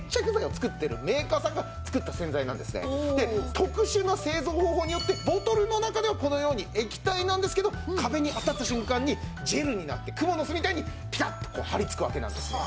特殊な製造方法によってボトルの中ではこのように液体なんですけど壁に当たった瞬間にジェルになってクモの巣みたいにピタッと張りつくわけなんですよ。